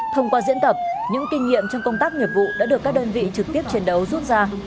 thông qua diễn tập những kinh nghiệm trong công tác nghiệp vụ đã được các đơn vị trực tiếp chiến đấu rút ra